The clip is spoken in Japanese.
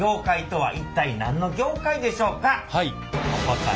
はい。